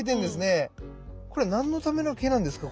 これ何のための毛なんですか？